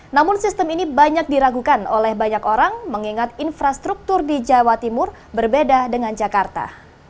namun sistem ini banyak diragukan oleh banyak orang mengingat infrastruktur di jawa timur berbeda dengan jakarta